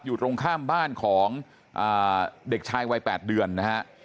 อยู่ตรงข้ามบ้านของเด็กชายวัย๘เดือนนะฮะ